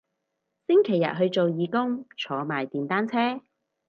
星期日去做義工坐埋電單車